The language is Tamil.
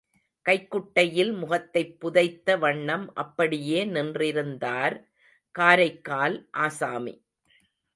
கைக்குட்டையில் முகத்தைப் புதைத்த வண்ணம் அப்படியே நின்றிருந்தார் காரைக்கால் ஆசாமி.